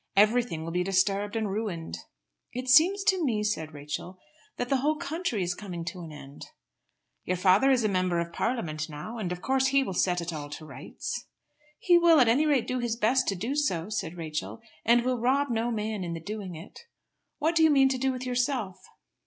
Everything will be disturbed and ruined." "It seems to me," said Rachel, "that the whole country is coming to an end." "Your father is Member of Parliament now, and of course he will set it all to rights." "He will at any rate do his best to do so," said Rachel, "and will rob no man in the doing it. What do you mean to do with yourself?"